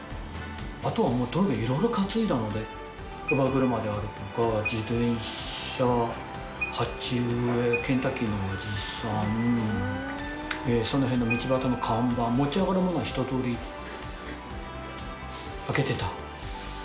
あとはもうとにかくいろいろ担いだので、乳母車であるとか、自転車、鉢植え、ケンタッキーのおじさん、その辺の道端の看板、持ち上がるものは一とおり当ててた。